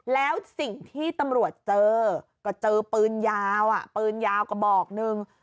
แล้วสิ่งที่ตำรวจเจอก็เจอปืนยาวปืนยาวกระบอกหนึ่ง